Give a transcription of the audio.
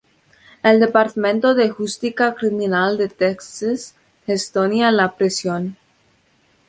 El Departamento de Justicia Criminal de Texas gestiona la prisión.